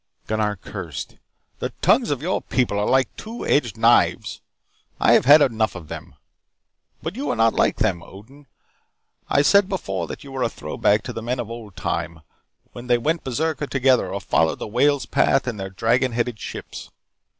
Gunnar cursed. "The tongues of your people are like two edged knives. I have had enough of them. But you are not like them, Odin. I said before that you were a throwback to the men of old time, when they went berserker together, or followed the whale's path in their dragon headed ships.